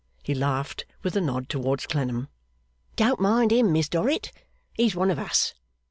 He laughed, with a nod towards Clennam. 'Don't mind him, Miss Dorrit. He's one of us.